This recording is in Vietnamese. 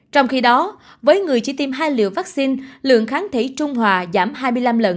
trong khi đó với người chỉ tiêm hai liều vaccine lượng kháng thể trung hòa giảm hai mươi năm lần